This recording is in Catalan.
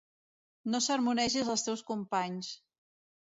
No sermonegis els teus companys.